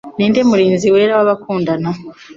Ninde Murinzi Wera Wabakundana?